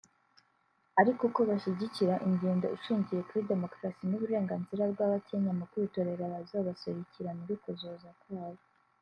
ariko ko bashigikira ingendo ishingiye kuri demokarasi n'uburenganzira bw'abakenya mu kwitorera abazobaserukira muri kazoza kabo